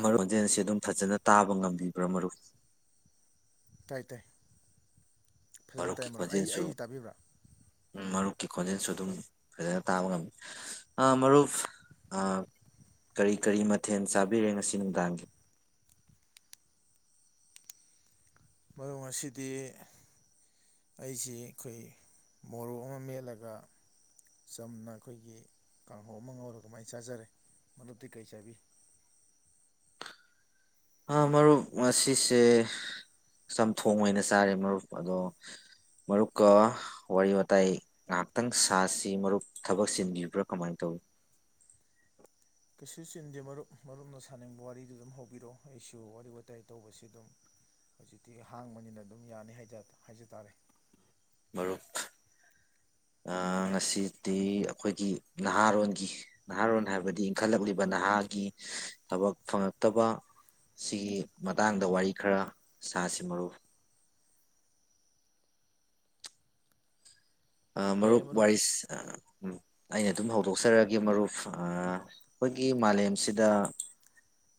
ꯃꯔꯨ ꯍꯣꯟꯖꯦꯜ ꯑꯁꯤ ꯑꯗꯨꯝ ꯐꯖꯅ ꯇꯥꯕ ꯉꯝꯕꯤꯕ꯭ꯔꯥ ꯃꯔꯨ ꯇꯥꯏ ꯇꯥꯏ ꯐꯖꯅ ꯇꯥꯏ ꯃꯔꯨꯞꯀꯤ ꯃꯔꯨꯞ ꯑꯩ ꯈꯖꯤꯦꯜꯁꯨ ꯑꯩ ꯇꯥꯕꯤꯕ꯭ꯔꯥ ꯎ ꯃꯔꯨꯞ ꯀꯤ ꯈꯣꯟꯖꯦꯜꯁꯨ ꯑꯗꯨꯝ ꯐꯖꯅ ꯇꯥꯕ ꯉꯝꯃꯤ ꯃꯔꯨꯞ ꯀꯔꯤ ꯀꯔꯤ ꯃꯊꯦꯜ ꯆꯥꯕꯤꯔꯦ ꯉꯁꯤ ꯅꯨꯡꯗꯥꯡꯒꯤ ꯃꯔꯣꯁꯤꯗꯤ ꯑꯩꯁꯤ ꯑꯩꯈꯣꯏ ꯃꯣꯔꯣꯛ ꯑꯃ ꯃꯦꯠꯂꯒ ꯆꯝꯅ ꯑꯩꯈꯣꯏꯒꯤ ꯀꯥꯡꯍꯧ ꯑꯃ ꯉꯧꯔꯒ ꯀꯃꯥꯏꯅ ꯆꯥꯖꯔꯦ ꯃꯔꯨꯞꯇꯤ ꯀꯩ ꯆꯥꯕꯤ ꯃꯔꯨꯞ ꯑꯁꯤꯁꯦ ꯆꯝꯊꯣꯡ ꯑꯣꯏꯅ ꯆꯥꯔꯦ ꯃꯔꯨꯞ ꯑꯗꯣ ꯃꯔꯨꯞꯀ ꯋꯥꯔꯤ ꯋꯥꯇꯥꯏ ꯉꯍꯥꯛꯇꯪ ꯁꯥꯁꯤ ꯃꯔꯨꯞ ꯊꯕꯛ ꯆꯤꯟꯕꯤꯕ꯭ꯔꯥ ꯀꯃꯥꯏꯅ ꯇꯧꯏꯤ ꯀꯩꯁꯨ ꯆꯤꯟꯗꯦ ꯃꯔꯨꯞ ꯃꯔꯨꯞꯅ ꯁꯥꯅꯤꯡꯕ ꯋꯥꯔꯤꯗꯨ ꯑꯗꯨꯝ ꯍꯧꯕꯤꯔꯛꯑꯣ ꯑꯩꯁꯨ ꯋꯥꯔꯤ ꯋꯥꯇꯥꯏ ꯇꯧꯕꯁꯤ ꯑꯗꯨꯝ ꯍꯧꯖꯤꯛꯇꯤ ꯍꯥꯡꯕꯅꯤꯅ ꯑꯗꯨꯝ ꯌꯥꯅꯤ ꯍꯥꯏꯖ ꯇꯥꯔꯦ ꯃꯔꯨꯞ ꯉꯁꯤꯗꯤ ꯑꯩꯈꯣꯏꯒꯤ ꯅꯍꯥꯔꯣꯟꯒꯤ ꯅꯍꯥꯔꯣꯟ ꯍꯥꯏꯕꯗꯤ ꯏꯟꯈꯠꯂꯛꯂꯤꯕ ꯅꯍꯥꯒꯤ ꯊꯕꯛ ꯐꯪꯉꯛꯇꯕ ꯁꯤꯒꯤ ꯃꯇꯥꯡꯗ ꯋꯥꯔꯤ ꯈꯔ ꯁꯥꯁꯤ ꯃꯔꯨ ꯃꯔꯨꯞ ꯋꯥꯔꯤꯁ ꯎꯝ ꯑꯩꯅ ꯑꯗꯨꯝ ꯍꯧꯗꯣꯛꯆꯔꯛꯑꯒꯦ ꯃꯔꯨꯞ ꯑꯩꯈꯣꯏꯒꯤ ꯃꯥꯂꯦꯝꯁꯤꯗ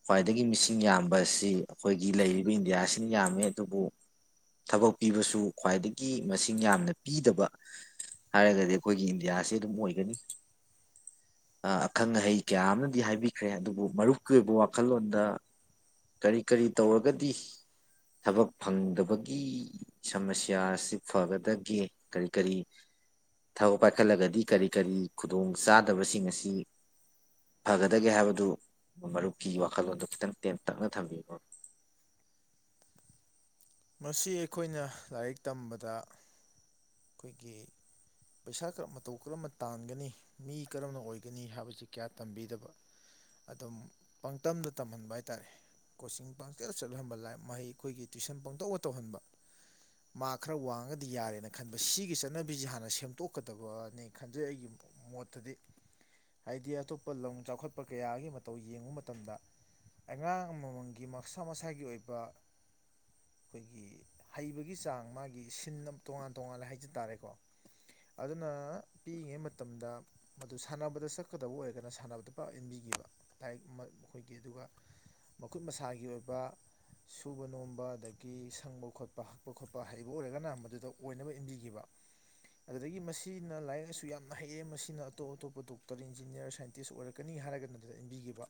ꯈ꯭ꯋꯥꯏꯗꯒꯤ ꯃꯤꯁꯤꯡ ꯌꯥꯝꯕ ꯑꯁꯤ ꯑꯩꯈꯣꯏꯒꯤ ꯂꯩꯔꯤꯕ ꯏꯟꯗꯤꯌꯥꯁꯤꯅ ꯌꯥꯝꯃꯦ ꯑꯗꯨꯕꯨ ꯊꯕꯛ ꯄꯤꯕꯁꯨ ꯈ꯭ꯋꯥꯏꯗꯒꯤ ꯃꯁꯤꯡ ꯌꯥꯝꯅ ꯄꯤꯗꯕ ꯍꯥꯏꯔꯒꯗꯤ ꯑꯩꯈꯣꯏꯒꯤ ꯏꯟꯗꯤꯌꯥꯁꯤ ꯑꯗꯨꯝ ꯑꯣꯏꯒꯅꯤ ꯑꯈꯪ ꯑꯍꯩ ꯀꯌꯥ ꯑꯃꯅꯗꯤ ꯍꯥꯏꯕꯤꯈ꯭ꯔꯦ ꯑꯗꯨꯕꯨ ꯃꯔꯨꯞꯀꯤ ꯑꯣꯏꯕ ꯋꯥ ꯋꯥꯈꯜꯂꯣꯟꯗ ꯀꯔꯤ ꯀꯔꯤ ꯇꯧꯔꯒꯗꯤ ꯊꯕꯛ ꯐꯪꯗꯕꯒꯤ ꯁꯃꯁ꯭ꯌꯥ ꯑꯁꯤ ꯐꯒꯗꯒꯦ ꯀꯔꯤ ꯀꯔꯤ ꯊꯕꯛ ꯄꯥꯏꯈꯠꯂꯒꯗꯤ ꯀꯔꯤ ꯀꯔꯤ ꯈꯨꯗꯣꯡ ꯆꯥꯗꯕꯁꯤꯡ ꯑꯁꯤ ꯐꯒꯗꯒꯦ ꯍꯥꯏꯕꯗꯨ ꯃꯔꯨꯞ ꯐꯤ ꯋꯥꯈꯜꯂꯣꯟꯗꯣ ꯈꯤꯇꯪ ꯇꯦꯟ ꯇꯛꯅ ꯊꯝꯕꯤꯣ ꯃꯁꯤ ꯑꯩꯈꯣꯏꯅ ꯂꯥꯏꯔꯤꯛ ꯇꯝꯕꯗ ꯑꯩꯈꯣꯏꯒꯤ ꯄꯩꯁꯥ ꯃꯇꯧ ꯀꯔꯝꯅ ꯇꯥꯟꯒꯅꯤ ꯃꯤ ꯀꯔꯝꯅ ꯑꯣꯏꯒꯅꯤ ꯍꯥꯏꯕꯁꯤ ꯀꯌꯥ ꯇꯝꯕꯤꯗꯕ ꯑꯗꯨꯝ ꯄꯥꯡꯇꯝꯗ ꯇꯝꯍꯟꯕ ꯍꯥꯏ ꯇꯥꯔꯦ ꯀꯣꯆꯤꯡ ꯄꯪꯆꯅ ꯆꯠꯍꯟꯕ ꯂ ꯃꯍꯩ ꯑꯩꯈꯣꯏꯒꯤ ꯇ꯭ꯋꯏꯁꯟ ꯄ ꯇꯧꯅ ꯇꯧꯍꯟꯕ ꯃꯥ ꯈꯔ ꯋꯥꯡꯉꯒꯗꯤ ꯌꯥꯔꯦꯅ ꯈꯟꯕ ꯁꯤꯒꯤ ꯆꯠꯅꯕꯤꯁꯤꯦ ꯍꯥꯟꯅ ꯁꯦꯝꯗꯣꯛꯀꯗꯕꯅꯤ ꯈꯟꯖꯩ ꯑꯩꯒꯤ ꯃꯣꯠꯇꯗꯤ ꯍꯥꯏꯗꯤ ꯑꯇꯣꯞꯄ ꯂꯝ ꯆꯥꯎꯈꯠꯄ ꯀꯌꯥꯒꯤ ꯃꯇꯧ ꯌꯦꯡꯕ ꯃꯇꯝꯗ ꯑꯉꯥꯡ ꯑꯃꯃꯝꯒꯤ ꯃꯁꯥ ꯃꯁꯥꯒꯤ ꯑꯣꯏꯕ ꯑꯩꯈꯣꯏꯒꯤ ꯍꯩꯕꯒꯤ ꯆꯥꯡ ꯃꯥꯒꯤ ꯁꯤꯟ ꯑꯃ ꯇꯣꯉꯥꯟ ꯇꯣꯉꯥꯂꯦ ꯍꯥꯏꯖ ꯇꯥꯔꯦꯀꯣ ꯑꯗꯨꯅ ꯄꯤꯛꯏꯉꯩ ꯃꯇꯝꯗ ꯃꯗꯨ ꯁꯥꯟꯅꯕꯗ ꯆꯠꯀꯗꯕ ꯑꯣꯏꯔꯒꯅ ꯁꯥꯟꯅꯕꯗ ꯄꯥꯎ ꯏꯟꯕꯤꯈꯤꯕ ꯂꯥꯏꯛ ꯃꯈꯈꯣꯏꯒꯤ ꯑꯗꯨꯒ ꯃꯈꯨꯠ ꯃꯁꯥꯒꯤ ꯑꯣꯏꯕ ꯁꯨꯕ ꯅꯣꯝꯕ ꯑꯗꯒꯤ ꯀꯤ ꯁꯪꯕ ꯈꯣꯠꯄ ꯍꯛꯄ ꯈꯣꯠꯄ ꯍꯩꯕ ꯑꯣꯏꯔꯒꯅ ꯃꯗꯨꯗ ꯑꯣꯏꯅꯕ ꯏꯟꯕꯤꯈꯤꯕ ꯑꯗꯨꯗꯒꯤ ꯃꯁꯤꯅ ꯂꯥꯏꯔꯤꯛ ꯂꯥꯏꯁꯨ ꯌꯥꯝꯅ ꯍꯩꯌꯦ ꯃꯁꯤꯅ ꯑꯇꯣꯞ ꯑꯇꯣꯞꯄ ꯗꯣꯛꯇꯔ ꯏꯟꯖꯤꯅꯤꯌꯥꯔ ꯁꯥꯏꯟꯇꯤꯁ ꯑꯣꯏꯔꯛꯀꯅꯤ ꯍꯥꯏꯔꯒꯅ ꯑꯗꯨꯗ ꯏꯟꯕꯤꯈꯤꯕ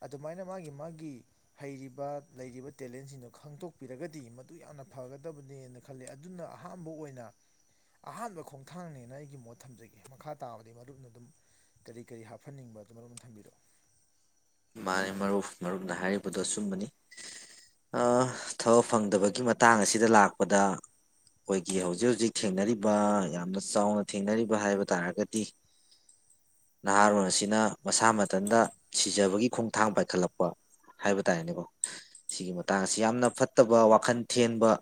ꯑꯗꯨꯃꯥꯏꯅ ꯃꯥꯒꯤ ꯃꯥꯒꯤ ꯍꯩꯔꯤꯕ ꯂꯩꯔꯤꯕ ꯇꯦꯂꯦꯟꯁꯤꯡꯗꯣ ꯈꯪꯇꯣꯛ ꯇꯥꯛꯄꯤꯔꯒꯗꯤ ꯃꯗꯨ ꯌꯥꯝꯅ ꯐꯒꯗꯕꯅꯦꯅ ꯈꯜꯂꯦ ꯑꯗꯨꯅ ꯑꯍꯥꯟꯕ ꯑꯣꯏꯅ ꯑꯍꯥꯟꯕ ꯈꯣꯡꯊꯥꯡꯅꯦꯅ ꯑꯩꯒꯤ ꯃꯣꯠ ꯊꯝꯖꯒꯦ ꯃꯈꯥ ꯇꯥꯕꯗꯤ ꯃꯔꯨꯞꯅ ꯑꯗꯨꯝ ꯀꯔꯤ ꯀꯔꯤ ꯍꯥꯞꯍꯟꯅꯤꯡꯕ ꯑꯗꯨ ꯃꯔꯨꯞꯅ ꯊꯝꯕꯤꯔꯛꯑꯣ ꯃꯥꯅꯦ ꯃꯔꯨꯞ ꯃꯔꯨꯞꯅ ꯍꯥꯏꯔꯤꯕꯗꯣꯁꯨꯝꯕꯅꯤ ꯊꯕꯛ ꯐꯪꯗꯕꯒꯤ ꯃꯇꯥꯡ ꯑꯁꯤꯗ ꯂꯥꯛꯄꯗ ꯑꯩꯈꯣꯏꯒꯤ ꯍꯧꯖꯤꯛ ꯍꯧꯖꯤꯛ ꯊꯦꯡꯅꯔꯤꯕ ꯌꯥꯝꯅ ꯆꯥꯎꯅ ꯊꯦꯡꯅꯔꯤꯕ ꯍꯥꯏꯕ ꯇꯥꯔꯒꯗꯤ ꯅꯍꯥꯔꯣꯟ ꯑꯁꯤꯅ ꯃꯁꯥ ꯃꯊꯟꯇ ꯄꯤꯖꯕꯒꯤ ꯈꯣꯡꯊꯥꯡ ꯄꯥꯏꯈꯠꯂꯛꯄ ꯍꯥꯏꯕ ꯇꯥꯔꯦꯅꯦꯀꯣ ꯁꯤꯒꯤ ꯃꯇꯥꯡꯁꯤ ꯌꯥꯝꯅ ꯐꯠꯇꯕ ꯋꯥꯈꯜ ꯊꯦꯟꯕ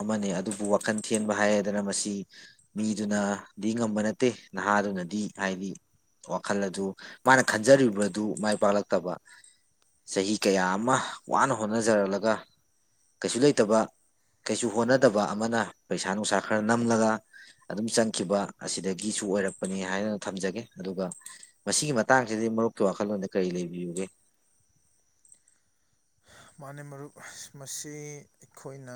ꯑꯃꯅꯦ ꯑꯗꯨꯕꯨ ꯋꯥꯈꯜ ꯊꯦꯟꯕ ꯍꯥꯏꯗꯅ ꯃꯁꯤ ꯃꯤꯗꯨꯅꯗꯤ ꯉꯝꯕ ꯅꯠꯇꯦ ꯅꯍꯥꯗꯨꯅꯗꯤ ꯍꯥꯏꯗꯤ ꯋꯥꯈꯜ ꯑꯗꯨ ꯃꯥꯅ ꯈꯟꯖꯔꯤꯕ ꯑꯗꯨ ꯃꯥꯏ ꯄꯥꯛꯂꯛꯇꯕ ꯆꯍꯤ ꯀꯌꯥ ꯑꯃ ꯋꯥꯅ ꯍꯣꯠꯅꯖꯔꯛꯂꯒ ꯀꯩꯁꯨ ꯂꯩꯇꯕ ꯀꯩꯁꯨ ꯍꯣꯠꯅꯗꯕ ꯑꯃꯅ ꯄꯩꯁꯥ ꯅꯨꯡꯁꯥ ꯈꯔ ꯅꯝꯂꯒ ꯑꯗꯨꯝ ꯆꯪꯈꯤꯕ ꯑꯁꯤꯗꯒꯤꯁꯨ ꯑꯣꯏꯔꯛꯄꯅꯤ ꯍꯥꯏꯅ ꯊꯝꯖꯒꯦ ꯑꯗꯨꯒ ꯃꯁꯤꯒꯤ ꯃꯇꯥꯡꯁꯤꯗꯤ ꯃꯔꯨꯞ ꯋꯥꯈꯜꯂꯣꯟꯗ ꯀꯔꯤ ꯂꯩꯕꯤꯌꯨꯒꯦ ꯃꯥ ꯃꯔꯨꯞ ꯃꯁꯤ ꯑꯩꯈꯣꯏꯅ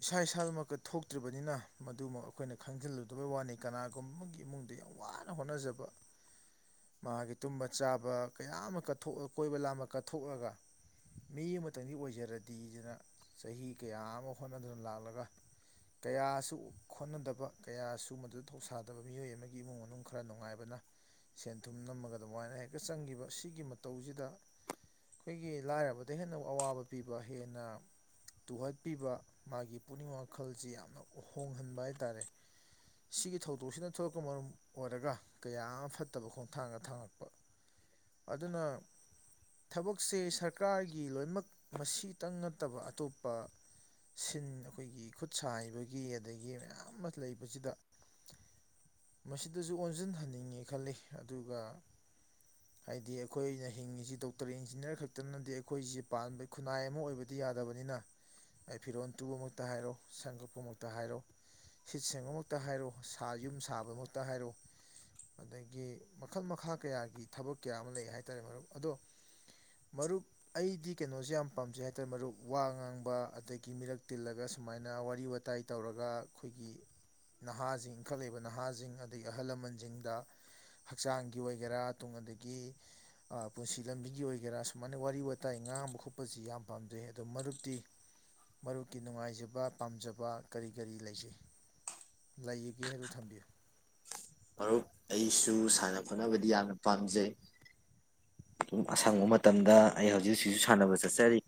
ꯏꯁꯥ ꯏꯁꯥꯃꯛ ꯀꯠ ꯊꯣꯛꯇ꯭ꯔꯤꯕꯅꯤꯅ ꯃꯗꯨꯃꯛ ꯑꯩꯈꯣꯏꯅ ꯈꯪꯖꯤꯜꯂꯨꯗꯕꯩ ꯋꯥꯅꯤ ꯀꯅꯥꯒꯨꯝꯕꯒꯤ ꯏꯃꯨꯡꯗ ꯌꯥꯝ ꯋꯥꯅ ꯍꯣꯠꯅꯖꯕ ꯃꯥꯒꯤ ꯇꯨꯝꯕ ꯆꯥꯕ ꯀꯌꯥ ꯑꯃ ꯀꯑ ꯀꯣꯏꯕ ꯂꯥꯃ ꯀꯠꯊꯣꯛꯂꯒ ꯃꯤ ꯑꯃꯇꯪꯗꯤ ꯑꯣꯏꯖꯔꯗꯤꯗꯅ ꯆꯍꯤ ꯀꯌꯥ ꯑꯃ ꯍꯣꯠꯅꯗꯨꯅ ꯂꯥꯛꯂꯒ ꯀꯌꯥꯁꯨ ꯍꯣꯠꯅꯗꯕ ꯀꯌꯥꯁꯨ ꯃꯗꯨꯗ ꯊꯧꯁꯥꯗꯕ ꯃꯤꯑꯣꯏ ꯑꯃꯒꯤ ꯏꯃꯨꯡ ꯃꯅꯨꯡ ꯈꯔ ꯅꯨꯡꯉꯥꯏꯕꯅ ꯁꯦꯟ ꯊꯨꯝ ꯅꯝꯃꯒ ꯑꯗꯨꯃꯥꯏꯅ ꯍꯦꯛꯇ ꯆꯪꯈꯤꯕ ꯁꯤꯒꯤ ꯃꯇꯧꯁꯤꯗ ꯑꯩꯈꯣꯏꯒꯤ ꯂꯥꯏꯔꯕꯗ ꯍꯦꯟꯅ ꯑꯋꯥꯕ ꯄꯤꯕ ꯍꯦꯟꯅ ꯇꯨꯍꯠꯄꯤꯕ ꯃꯥꯒꯤ ꯄꯨꯛꯅꯤꯡ ꯋꯥꯈꯜꯁꯤ ꯌꯥꯝꯅ ꯍꯣꯡꯍꯟꯕ ꯍꯥꯏꯇꯥꯔꯦ ꯁꯤꯒꯤ ꯊꯧꯗꯣꯛꯁꯤꯅ ꯊꯣꯛꯂꯛꯄ ꯃꯔꯝ ꯑꯣꯏꯔꯒ ꯀꯌꯥ ꯑꯃ ꯐꯠꯇꯕ ꯈꯣꯡꯊꯥꯡꯒ ꯊꯥꯡꯉꯛꯄ ꯑꯗꯨꯅ ꯊꯕꯛꯁꯦ ꯁꯔꯀꯥꯔꯒꯤ ꯂꯣꯏꯅꯃꯛ ꯃꯁꯤꯇꯪ ꯅꯠꯇꯕ ꯑꯇꯣꯞꯄ ꯁꯤꯟ ꯑꯩꯈꯣꯏꯒꯤ ꯈꯨꯠ ꯁꯥ ꯍꯩꯕꯒꯤ ꯑꯗꯒꯤ ꯃꯌꯥꯝ ꯑꯃ ꯂꯩꯕꯁꯤꯗ ꯃꯁꯤꯗꯁꯨ ꯑꯣꯟꯁꯤꯟꯍꯟꯅꯤꯡꯉꯦ ꯈꯜꯂꯤ ꯑꯗꯨꯒ ꯍꯥꯏꯗꯤ ꯑꯩꯈꯣꯏꯅ ꯍꯤꯡꯉꯤꯁꯤ ꯗꯣꯛꯇꯔ ꯏꯟꯖꯤꯅꯤꯌꯥꯔ ꯈꯛꯇꯅꯗꯤ ꯑꯩꯈꯣꯏꯁꯦ ꯄꯥꯟꯕ ꯈꯨꯟꯅꯥꯏ ꯑꯃ ꯑꯣꯏꯕꯗꯤ ꯌꯥꯗꯕꯅꯤꯅ ꯑꯩ ꯐꯤꯔꯣꯟꯜ ꯇꯨꯕꯃꯛꯇ ꯍꯥꯏꯔꯣ ꯁꯪꯒꯛꯄꯃꯛꯇ ꯍꯥꯏꯔꯣ ꯁꯤꯠ ꯁꯦꯡꯕꯃꯛꯇ ꯍꯥꯏꯔꯣ ꯌꯨꯝ ꯁꯥꯕꯃꯛꯇ ꯍꯥꯏꯔꯣ ꯑꯗꯒꯤ ꯃꯈꯜ ꯃꯈꯥ ꯀꯌꯥꯒꯤ ꯊꯕꯛ ꯀꯌꯥ ꯑꯃ ꯂꯩ ꯍꯥꯏꯇꯥꯔꯦ ꯃꯔꯨꯞ ꯑꯗꯣ ꯃꯔꯨꯞ ꯑꯩꯗꯤ ꯀꯩꯅꯣꯁꯦ ꯌꯥꯝ ꯄꯥꯝꯖꯩ ꯍꯥꯏꯇꯥꯔꯦ ꯃꯔꯨꯞ ꯋꯥ ꯉꯥꯡꯕ ꯑꯗꯒꯤ ꯃꯤꯔꯛ ꯇꯤꯜꯂꯒ ꯁꯨꯃꯥꯏꯅ ꯋꯥꯔꯤ ꯋꯥꯇꯥꯏ ꯇꯧꯔꯒ ꯑꯩꯈꯣꯏꯒꯤ ꯅꯍꯥꯁꯤꯡ ꯏꯟꯈꯠꯂꯛꯏꯕ ꯅꯍꯥꯁꯤꯡ ꯑꯗꯒꯤ ꯑꯍꯜ ꯂꯃꯟꯁꯤꯡꯗ ꯍꯛꯆꯥꯡꯒꯤ ꯑꯣꯏꯒꯦꯔꯥ ꯇ ꯑꯗꯒꯤ ꯄꯨꯟꯁꯤ ꯂꯝꯕꯤꯒꯤ ꯑꯣꯏꯒꯦꯔꯥ ꯁꯨꯃꯥꯏꯅ ꯋꯥꯔꯤ ꯋꯥꯇꯥꯏ ꯉꯥꯡꯕ ꯈꯣꯠꯄꯁꯤ ꯌꯥꯝ ꯄꯥꯝꯖꯩ ꯑꯗꯣ ꯃꯔꯨꯞꯛꯇꯤ ꯃꯔꯨꯞꯀꯤ ꯅꯨꯡꯉꯥꯏꯖꯕ ꯄꯥꯝꯖꯕ ꯀꯔꯤ ꯀꯔꯤ ꯂꯩꯖꯩ ꯂꯩꯒꯦꯗ ꯊꯝꯕꯤꯌꯨ ꯃꯔꯨꯞ ꯑꯩꯁꯨ ꯁꯥꯟꯅ ꯈꯣꯠꯅꯕꯗꯤ ꯌꯥꯝꯅ ꯄꯥꯝꯖꯩꯝ ꯑꯁꯪꯕ ꯃꯇꯝꯗ ꯑꯩ ꯍꯧꯖꯤꯛ ꯍꯧꯖꯤꯛꯁꯨ ꯁꯥꯟꯅꯕ ꯆꯠꯆꯔꯤ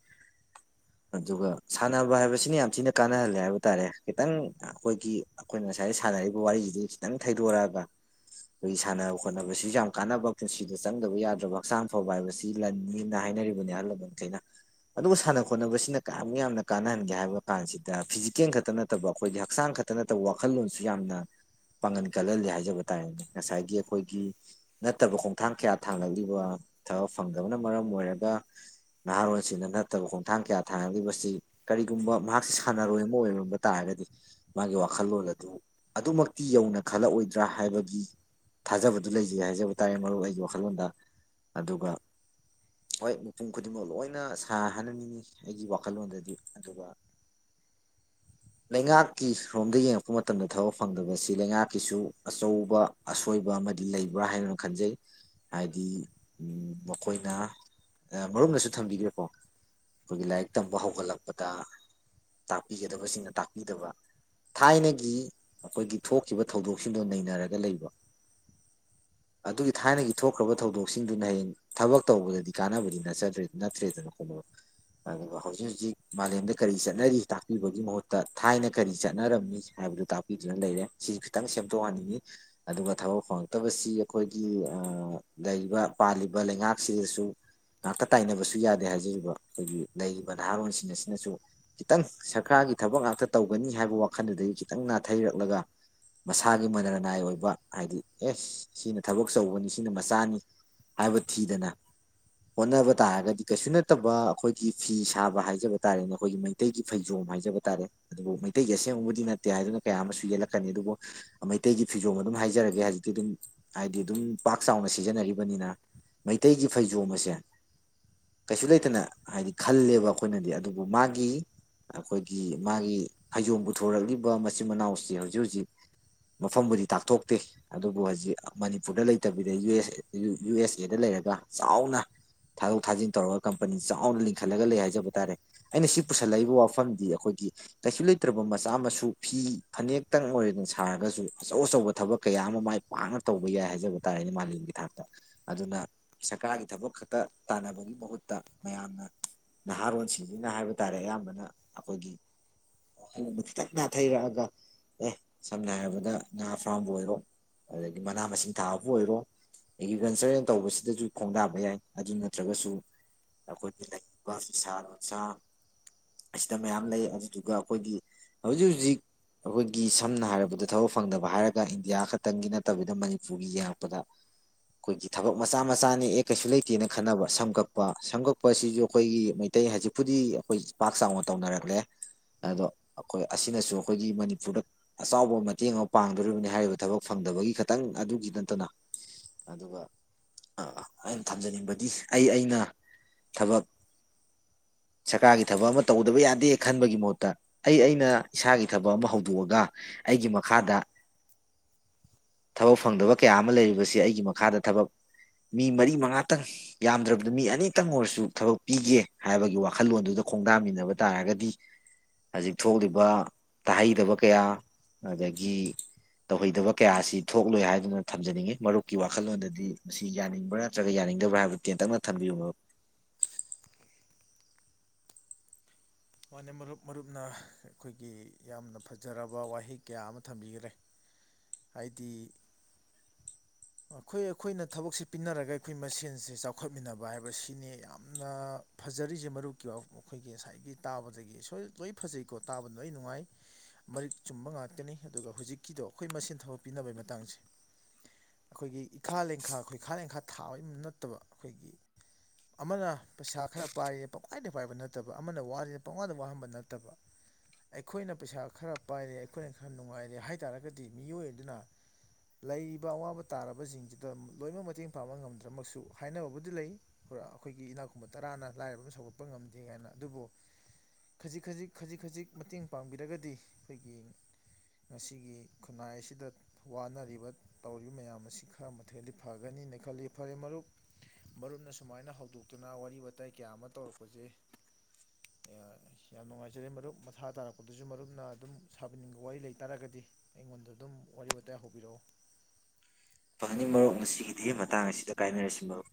ꯑꯗꯨꯒ ꯁꯥꯟꯅꯕ ꯍꯥꯏꯕꯁꯤꯅ ꯌꯥꯝ ꯊꯤꯅ ꯀꯥꯟꯅꯍꯜꯂꯦ ꯍꯥꯏꯕ ꯇꯥꯔꯦ ꯈꯤꯇꯪ ꯑꯩꯈꯣꯏꯒꯤ ꯑꯩꯈꯣꯏꯅ ꯉꯁꯥꯏ ꯁꯥꯟꯅꯔꯤꯕ ꯋꯥꯔꯤꯁꯤꯗꯒꯤ ꯈꯤꯇꯪ ꯊꯩꯗꯣꯔꯛꯒ ꯑꯩꯈꯣꯏꯒꯤ ꯁꯥꯟꯅ ꯈꯣꯠꯅꯕꯁꯤꯁꯨ ꯌꯥꯝ ꯀꯥꯟꯅꯕ ꯄꯨꯟꯁꯤꯗ ꯆꯪꯗꯕ ꯌꯥꯗ꯭ꯔꯕ ꯍꯛꯆꯥꯡ ꯐꯕ ꯍꯥꯏꯕꯁꯤ ꯂꯟꯅꯤꯅ ꯍꯥꯏꯅꯔꯤꯕꯅꯤ ꯑꯍꯜ ꯂꯃꯟꯈꯩꯅ ꯑꯗꯨꯕꯨ ꯁꯥꯟꯅ ꯈꯣꯠꯅꯕꯁꯤꯅ ꯀꯌꯥꯃꯨꯛ ꯌꯥꯝꯅ ꯀꯥꯟꯅꯍꯟꯒꯦ ꯍꯥꯏꯕ ꯀꯥꯟꯁꯤꯗ ꯐꯤꯖꯤꯀꯦꯜ ꯈꯛꯇ ꯅꯠꯇꯕ ꯑꯩꯈꯣꯏꯒꯤ ꯍꯛꯆꯥꯡ ꯈꯛꯇ ꯅꯠꯇꯕ ꯋꯥꯈꯜꯂꯣꯟꯁꯨ ꯌꯥꯝꯅ ꯄꯥꯡꯒꯟ ꯀꯜꯍꯜꯂꯤ ꯍꯥꯏ ꯍꯥꯏꯖꯕ ꯇꯥꯔꯦꯅꯦ ꯉꯁꯥꯏꯒꯤ ꯑꯩꯈꯣꯏꯒꯤ ꯅꯠꯇꯕ ꯈꯣꯡꯊꯥꯡ ꯀꯌꯥ ꯊꯥꯡꯂꯛꯂꯤꯕ ꯊꯕꯛ ꯐꯪꯗꯕꯅ ꯃꯔꯝ ꯑꯣꯏꯔꯒ ꯅꯍꯥꯔꯣꯟꯁꯤꯡꯅ ꯅꯠꯇꯕ ꯈꯣꯡꯊꯥꯡ ꯀꯌꯥ ꯊꯥꯡꯂꯛꯂꯤꯕꯁꯤ ꯀꯔꯤꯒꯨꯝꯕ ꯃꯍꯥꯛꯁꯤ ꯁꯥꯟꯅꯔꯣꯏ ꯑꯃ ꯑꯣꯏꯔꯝꯕ ꯇꯥꯔꯒꯗꯤ ꯃꯥꯒꯤ ꯋꯥꯈꯜꯂꯣꯟ ꯑꯗꯨ ꯑꯗꯨꯃꯛꯇꯤ ꯌꯧꯅ ꯈꯜꯂꯛꯑꯣꯏ ꯗ꯭ꯔꯥ ꯍꯥꯏꯕꯒꯤ ꯊꯥꯖꯕꯗꯨ ꯂꯩꯖꯒꯦ ꯍꯥꯏꯖꯕ ꯇꯥꯔꯦ ꯃꯔꯨꯞ ꯑꯩꯒꯤ ꯋꯥꯈꯜꯂꯣꯟꯗ ꯑꯗꯨꯒ ꯍꯣꯏ ꯃꯤꯄꯨꯝ ꯈꯨꯗꯤꯡꯃꯛ ꯂꯣꯏꯅ ꯁꯥꯅ ꯍꯥꯏꯍꯟꯅꯤꯡꯉꯤ ꯑꯩꯒꯤ ꯋꯥꯈꯜꯂꯣꯟꯗꯗꯤ ꯑꯗꯨꯒ ꯂꯩꯉꯥꯛꯀꯤ ꯔꯣꯝꯗ ꯌꯦꯡꯉꯛꯄ ꯃꯇꯝꯗ ꯊꯕꯛ ꯐꯪꯗꯕꯁꯤ ꯂꯩꯉꯥꯛꯀꯤꯁꯨ ꯑꯆꯧꯕ ꯑꯁꯣꯏꯕ ꯑꯃꯗꯤ ꯂꯩꯕ꯭ꯔꯥ ꯍꯥꯏꯅꯅ ꯈꯟꯖꯩ ꯍꯥꯏꯗꯤ ꯃꯈꯣꯏꯅ ꯃꯔꯨꯞꯅꯁꯨ ꯊꯝꯕꯤꯈ꯭ꯔꯦꯀꯣ ꯑꯩꯈꯣꯏꯒꯤ ꯂꯥꯏꯔꯤꯛ ꯇꯝꯕ ꯍꯧꯒꯠꯂꯛꯄꯗ ꯇꯥꯛꯄꯤꯒꯗꯕꯁꯤꯡꯅ ꯇꯥꯛꯄꯤꯗꯕ ꯊꯥꯏꯅꯒꯤ ꯑꯩꯈꯣꯏꯒꯤ ꯊꯣꯛꯈꯤꯕ ꯊꯧꯗꯣꯛ ꯁꯤꯡꯗꯣ ꯅꯩꯅꯔꯒ ꯂꯩꯕ ꯑꯗꯨꯒꯤ ꯊꯥꯏꯅꯒꯤ ꯊꯣꯛꯈ꯭ꯔꯕ ꯊꯧꯗꯣꯛꯁꯤꯡꯗꯨꯅ ꯍꯌꯦꯡ ꯊꯕꯛ ꯇꯧꯕꯗꯗꯤ ꯀꯥꯟꯅꯕꯗꯤ ꯅꯗ꯭ꯔꯦ ꯅꯠꯇ꯭ꯔꯦꯗꯅ ꯍꯣꯠꯅꯕ ꯑꯗꯨꯒ ꯍꯧꯖꯤꯛ ꯍꯧꯖꯤꯛ ꯃꯥꯂꯦꯝꯗ ꯀꯔꯤ ꯆꯠꯅꯔꯤ ꯇꯥꯛꯄꯤꯕꯒꯤ ꯃꯍꯨꯠꯇ ꯊꯥꯏꯅ ꯀꯔꯤ ꯆꯠꯅꯔꯝꯃꯤ ꯍꯥꯏꯕꯗꯨ ꯇꯥꯛꯄꯤꯗꯨꯅ ꯂꯩꯔꯦ ꯁꯤꯁꯨ ꯈꯤꯇꯪ ꯁꯦꯝ ꯇꯣꯛꯍꯟꯅꯤꯡꯉꯤ ꯑꯗꯨꯒ ꯊꯕꯛ ꯐꯪꯉꯛꯇꯕꯁꯤ ꯑꯩꯈꯣꯏꯒꯤ ꯂꯩꯔꯤꯕ ꯄꯥꯜꯂꯤꯕ ꯂꯩꯉꯥꯛꯁꯤꯗꯁꯨ ꯉꯥꯛꯇ ꯇꯥꯏꯅꯕꯁꯨ ꯌꯥꯗꯦ ꯍꯥꯏꯖꯔꯤꯕ ꯑꯩꯈꯣꯏꯒꯤ ꯂꯩꯔꯤꯕ ꯅꯍꯥꯔꯣꯟꯁꯤꯡ ꯑꯁꯤꯅꯁꯨ ꯈꯤꯇꯪ ꯁꯔꯀꯥꯔꯒꯤ ꯊꯕꯛ ꯉꯥꯛꯇ ꯇꯧꯒꯅꯤ ꯍꯥꯏꯕ ꯋꯥꯈꯜꯗꯨꯗꯒꯤ ꯈꯤꯇꯪ ꯅꯥꯊꯩꯔꯛꯂꯒ ꯃꯁꯥꯒꯤ ꯃꯅꯔꯅꯥꯏ ꯑꯣꯏꯕ ꯍꯥꯏꯗꯤ ꯑꯦꯁ ꯁꯤꯅ ꯊꯕꯛ ꯇꯧꯕꯅꯤ ꯁꯤꯅ ꯃꯆꯥꯅꯤ ꯍꯥꯏꯕ ꯊꯤꯗꯅ ꯍꯣꯠꯅꯕ ꯇꯥꯔꯒꯗꯤ ꯀꯩꯁꯨ ꯅꯠꯇꯕ ꯑꯩꯈꯣꯏꯒꯤ ꯐꯤ ꯁꯥꯕ ꯍꯥꯏꯖꯕ ꯇꯥꯔꯦꯅꯦ ꯑꯩꯈꯣꯏꯒꯤ ꯃꯩꯇꯩꯒꯤ ꯐꯩꯖꯣꯝ ꯍꯥꯏꯖꯕ ꯇꯥꯔꯦ ꯑꯗꯨꯕꯨ ꯃꯩꯇꯩꯒꯤ ꯑꯁꯦꯡꯕꯕꯨꯗꯤ ꯅꯠꯇꯦ ꯍꯥꯏꯗꯨꯅ ꯀꯌꯥ ꯑꯃꯁꯨ ꯌꯦꯛꯂꯛꯀꯅꯤ ꯑꯗꯨꯕꯨ ꯃꯩꯇꯩꯒꯤ ꯐꯤꯖꯣꯝ ꯑꯗꯨꯝ ꯍꯥꯏꯖꯔꯒꯦ ꯍꯧꯖꯤꯛꯇꯤ ꯑꯗꯨꯝ ꯍꯥꯏꯗꯤ ꯑꯗꯨꯝ ꯄꯥꯛ ꯆꯥꯎꯅ ꯁꯤꯖꯤꯟꯅꯔꯤꯕꯅꯤꯅ ꯃꯩꯇꯩꯒꯤ ꯐꯩꯖꯣꯝ ꯑꯁꯦ ꯀꯩꯁꯨ ꯂꯩꯇꯅ ꯍꯥꯏꯗꯤ ꯈꯜꯂꯦꯕ ꯑꯩꯈꯣꯏꯅꯗꯤ ꯑꯗꯨꯕꯨ ꯃꯥꯒꯤ ꯑꯩꯈꯣꯏꯒꯤ ꯃꯥꯒꯤ ꯐꯩꯖꯣꯝ ꯄꯨꯊꯣꯔꯛꯂꯤꯕ ꯃꯆꯤꯟ ꯃꯅꯥꯎꯁ ꯍꯧꯖꯤꯛ ꯍꯧꯖꯤꯛ ꯃꯐꯝꯕꯨꯗꯤ ꯇꯥꯛꯊꯣꯛꯇꯦ ꯑꯗꯨꯕꯨ ꯍꯧꯖꯤꯛ ꯃꯅꯤꯄꯨꯔꯗ ꯂꯩꯇꯕꯤꯗꯁ ꯌꯨ ꯑꯦꯁ ꯑꯦꯗ ꯂꯩꯔꯒ ꯆꯥꯎꯅ ꯊꯥꯗꯣꯛ ꯊꯥꯖꯤꯟ ꯇꯧꯔꯒ ꯀꯝꯄꯅꯤ ꯆꯥꯎꯅ ꯂꯤꯡꯈꯠꯂꯒ ꯂꯩ ꯍꯥꯏꯖꯕ ꯇꯥꯔꯦ ꯑꯩꯅ ꯁꯤ ꯄꯨꯁꯜꯂꯛꯏꯕ ꯋꯥꯐꯝꯗꯤ ꯑꯩꯈꯣꯏꯒꯤ ꯀꯩꯁꯨ ꯂꯩꯇ꯭ꯔꯕ ꯃꯆꯥ ꯃꯁꯨ ꯐꯤ ꯐꯅꯦꯛꯇꯪ ꯑꯣꯏꯔꯁꯨ ꯊꯔꯒꯁꯨ ꯑꯆꯧ ꯑꯆꯧꯕ ꯊꯕꯛ ꯀꯌꯥ ꯑꯃ ꯃꯥꯏ ꯄꯥꯛꯅ ꯇꯧꯕ ꯌꯥꯏ ꯍꯥꯏꯖꯕ ꯇꯥꯔꯦꯅꯦ ꯃꯥꯂꯦꯝꯒꯤ ꯊꯥꯛꯇ ꯑꯗꯨꯅ ꯁꯔꯀꯥꯔꯒꯤ ꯊꯕꯛ ꯈꯛꯇ ꯇꯥꯟꯅꯕꯒꯤ ꯃꯍꯨꯠꯇ ꯃꯌꯥꯝꯅ ꯅꯍꯥꯔꯣꯟꯁꯤꯡꯁꯤꯅ ꯍꯥꯏꯕ ꯇꯥꯔꯦ ꯑꯌꯥꯝꯕꯅ ꯑꯩꯈꯣꯏꯒꯤ ꯈꯤꯇꯪ ꯅꯥꯊꯩꯔꯛꯑꯒ ꯑꯦ ꯁꯝꯅ ꯍꯥꯏꯔꯕꯗ ꯉꯥ ꯐꯥꯔꯝꯕꯨ ꯑꯣꯏꯔꯣ ꯑꯗꯒꯤ ꯃꯅꯥ ꯃꯁꯤꯡ ꯊꯥꯕꯕꯨ ꯑꯣꯏꯔꯣ ꯑꯦꯒ꯭ꯔꯤꯀꯜꯆꯔꯅ ꯇꯧꯕꯁꯤꯗꯁꯨ ꯈꯣꯡꯗꯥꯕ ꯌꯥꯏ ꯑꯗꯨ ꯅꯠꯇ꯭ꯔꯒꯁꯨ ꯑꯩꯈꯣꯏꯒꯤ ꯂꯩꯔꯤꯕ ꯐꯤꯁꯥ ꯂꯣꯟꯁꯥ ꯑꯁꯤꯗ ꯃꯌꯥꯝ ꯂꯩ ꯑꯗꯨꯗꯨꯒ ꯑꯩꯈꯣꯏꯒꯤ ꯍꯧꯖꯤꯛ ꯍꯧꯖꯤꯛ ꯑꯩꯈꯣꯏꯒꯤ ꯁꯝꯅ ꯍꯥꯏꯔꯕꯗ ꯊꯕꯛ ꯐꯪꯗꯕ ꯍꯥꯏꯔꯒ ꯏꯟꯗꯤꯌꯥ ꯈꯛꯇꯪꯒꯤ ꯅꯠꯇꯕꯤꯗ ꯃꯅꯤꯄꯨꯔꯒꯤ ꯌꯦꯡꯉꯛꯄꯗ ꯑꯩꯈꯣꯏꯒꯤ ꯊꯕꯛ ꯃꯆꯥ ꯃꯆꯥꯅꯤ ꯑꯦ ꯀꯩꯁꯨ ꯂꯩꯇꯦꯅ ꯈꯟꯅꯕ ꯁꯝꯒꯛꯄ ꯁꯝꯒꯛꯄ ꯑꯁꯤꯁꯨ ꯑꯩꯈꯣꯏꯒꯤ ꯃꯩꯇꯩ ꯍꯧꯖꯤꯛꯄꯨꯗꯤ ꯑꯩꯈꯣꯏ ꯄꯥꯛ ꯆꯥꯎꯅ ꯇꯧꯅꯔꯛꯂꯦ ꯑꯗꯣ ꯑꯩꯈꯣꯏ ꯑꯁꯤꯅꯁꯨ ꯑꯩꯈꯣꯏꯒꯤ ꯃꯅꯤꯄꯨꯔꯗ ꯑꯆꯥꯎꯕ ꯃꯇꯦꯡ ꯑꯃ ꯄꯥꯡꯗꯣꯔꯤꯕꯅꯤ ꯍꯥꯏꯔꯤꯕ ꯊꯕꯛ ꯐꯪꯗꯕꯒꯤ ꯈꯈꯤꯇꯪ ꯑꯗꯨꯒꯤ ꯅꯠꯇꯅ ꯑꯗꯨꯒ ꯑꯩꯅ ꯊꯝꯖꯅꯤꯡꯕꯗꯤ ꯑꯩ ꯑꯩꯅ ꯊꯕꯛ ꯁꯔꯀꯥꯔꯒꯤ ꯊꯕꯛ ꯑꯃ ꯇꯧꯗꯕ ꯌꯥꯗꯦ ꯈꯟꯕꯒꯤ ꯃꯍꯨꯠꯇ ꯑꯩ ꯑꯩꯅ ꯏꯁꯥꯒꯤ ꯊꯕꯛ ꯑꯃ ꯍꯧꯗꯣꯛꯑꯒ ꯑꯩꯒꯤ ꯃꯈꯥꯗ ꯊꯕꯛ ꯐꯪꯗꯕ ꯀꯌꯥ ꯑꯃ ꯂꯩꯔꯤꯕꯁꯤ ꯑꯩꯒꯤ ꯃꯈꯥꯗ ꯊꯕꯛ ꯃꯤ ꯃꯔꯤ ꯃꯉꯥꯇꯪ ꯌꯥꯝꯗ꯭ꯔꯕꯗ ꯃꯤ ꯑꯅꯤꯇꯪ ꯑꯣꯏꯔꯁꯨ ꯊꯕꯛ ꯄꯤꯒꯦ ꯍꯥꯏꯕꯒꯤ ꯋꯥꯈꯜꯂꯣꯟꯗꯨꯗ ꯈꯣꯡꯗꯥꯃꯤꯟꯅꯕ ꯇꯥꯔꯒꯗꯤ ꯍꯧꯖꯤꯛ ꯊꯣꯛꯂꯤꯕ ꯇꯥꯍꯩꯗꯕ ꯀꯌꯥ ꯑꯗꯒꯤ ꯇꯧꯍꯩꯗꯕ ꯀꯌꯥ ꯑꯁꯤ ꯊꯣꯛꯂꯣꯏ ꯍꯥꯏꯗꯨꯅ ꯊꯝꯖꯅꯤꯡꯉꯤ ꯃꯔꯨꯞꯀꯤ ꯋꯥꯈꯜꯂꯣꯟꯗꯗꯤ ꯃꯁꯤ ꯌꯥꯅꯤꯡꯕ꯭ꯔꯥ ꯅꯠꯇ꯭ꯔꯒ ꯌꯥꯅꯤꯡꯗꯕ꯭ꯔꯥ ꯍꯥꯏꯕꯗꯨ ꯇꯦꯟꯇꯛꯅ ꯊꯝꯕꯤꯌꯨ ꯃꯥꯅꯦ ꯃꯔꯨꯞ ꯃꯔꯨꯞꯅ ꯑꯩꯈꯣꯏꯒꯤ ꯌꯥꯝꯅ ꯐꯖꯔꯕ ꯋꯥꯍꯩ ꯀꯌꯥ ꯑꯃ ꯊꯝꯕꯤꯈꯔꯦ ꯍꯥꯏꯗꯤ ꯑꯩꯈꯣꯏ ꯑꯩꯈꯣꯏꯅ ꯊꯕꯛꯁꯦ ꯄꯤꯟꯅꯔꯒ ꯑꯩꯈꯣꯏ ꯃꯁꯦꯟꯁꯦ ꯆꯥꯎꯈꯠꯃꯤꯟꯅꯕ ꯍꯥꯏꯕꯁꯤꯅꯤ ꯌꯥꯝꯅ ꯐꯖꯔꯤꯁꯦ ꯃꯔꯨꯞꯀꯤ ꯑꯩꯈꯣꯏꯒꯤ ꯉꯁꯥꯏꯒꯤ ꯇꯥꯕꯗꯒꯤ ꯁꯣꯏ ꯂꯣꯏ ꯐꯖꯩꯀꯣ ꯇꯥꯕꯗ ꯂꯣꯏ ꯅꯨꯡꯉꯥꯏ ꯃꯔꯤꯛ ꯆꯨꯝꯕ ꯉꯥꯛꯇꯅꯤ ꯑꯗꯨꯒ ꯍꯧꯨꯖꯤꯛꯀꯤꯗꯣ ꯑꯩꯈꯣꯏ ꯃꯁꯦꯟ ꯊꯕꯛ ꯄꯤꯅꯕꯒꯤ ꯃꯇꯥꯡꯁꯦ ꯑꯩꯈꯣꯏꯒꯤ ꯏꯈꯥ ꯂꯦꯡꯈꯥ ꯑꯩꯈꯣꯏꯈꯥ ꯂꯦꯡꯈꯥ ꯊꯥꯕꯩ ꯅꯠꯇꯕ ꯑꯩꯈꯣꯏꯒꯤ ꯑꯃꯅ ꯄꯩꯁꯥ ꯈꯔ ꯄꯥꯏꯔꯤ ꯈ꯭ꯏꯅ ꯄꯥꯏꯕ ꯅꯠꯇꯕ ꯑꯃꯅ ꯋꯥꯔꯤ ꯄꯥꯎꯉꯥꯟꯗ ꯋꯥꯍꯟꯕ ꯅꯠꯇꯕ ꯑꯩꯈꯣꯏꯅ ꯄꯩꯁꯥ ꯈꯔ ꯄꯥꯏꯔꯦ ꯑꯩꯈꯣꯏꯅ ꯈꯔ ꯅꯨꯡꯉꯥꯏꯔꯦ ꯍꯥꯏ ꯇꯥꯔꯒꯗꯤ ꯃꯤꯑꯣꯏ ꯑꯗꯨꯅ ꯂꯩꯔꯤꯕ ꯑꯋꯥꯕ ꯇꯥꯔꯕꯁꯤꯡꯁꯤꯗ ꯂꯣꯏꯅꯃꯛ ꯃꯇꯦꯡ ꯄꯥꯡꯕ ꯉꯝꯗ꯭ꯔꯃꯛꯁꯨ ꯍꯥꯏꯅꯕꯕꯨꯗꯤ ꯂꯩꯔ ꯑꯩꯈꯣꯏꯒꯤ ꯏꯅꯥꯛ ꯈꯨꯨꯕ ꯇꯔꯥꯅ ꯂꯥꯏꯔꯕ ꯑꯃ ꯁꯧꯒꯠꯄ ꯉꯝꯗꯦ ꯀꯥꯏꯅ ꯑꯗꯨꯕꯨ ꯈꯖꯤꯛ ꯈꯖꯤꯛ ꯈꯖꯤꯛ ꯈꯖꯤꯛ ꯃꯇꯦꯡ ꯄꯥꯡꯕꯤꯔꯒꯗꯤ ꯑꯩꯈꯣꯏꯒꯤ ꯉꯁꯤꯒꯤ ꯈꯨꯟꯅꯥꯏ ꯑꯁꯤꯗ ꯋꯥꯅꯔꯤꯕ ꯇꯧꯔꯤꯕ ꯃꯌꯥꯝ ꯑꯁꯤ ꯈꯔ ꯃꯊꯦꯜꯗꯤ ꯐꯒꯅꯤꯅ ꯈꯜꯂꯤ ꯐꯔꯦ ꯃꯔꯨꯞ ꯃꯔꯨꯞꯅ ꯁꯨꯃꯥꯏꯅ ꯍꯧꯗꯣꯛꯇꯨꯅ ꯋꯥꯔꯤ ꯋꯥꯇꯥꯏ ꯀꯌꯥ ꯑꯃ ꯇꯧꯔꯛꯄꯁꯤ ꯌꯥꯝ ꯅꯨꯡꯉꯥꯏꯖꯔꯦ ꯃꯔꯨꯞ ꯃꯥ ꯇꯥꯔꯛꯄꯗꯁꯨ ꯃꯔꯨꯞꯅ ꯑꯗꯨꯝ ꯁꯥꯕꯤꯅꯤꯡꯕ ꯋꯥꯔꯤ ꯂꯩꯇꯥꯥꯔꯒꯗꯤ ꯑꯩꯉꯣꯟꯗ ꯑꯗꯨꯝ ꯋꯥꯔꯤ ꯋꯥꯇꯥꯏ ꯍꯧꯕꯤꯔꯛꯎ ꯐꯪꯒꯅꯤ ꯃꯔꯣꯛ ꯉꯁꯤꯒꯤꯗꯤ ꯃꯇꯥꯡ ꯑꯁꯤꯗ ꯀꯥꯏꯅꯔꯁꯤ ꯃꯔꯨꯞ